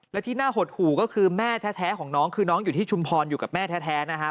และที่น่าหดหู่ก็คือแม่แท้ของน้องคือน้องอยู่ที่ชุมพรอยู่กับแม่แท้นะฮะ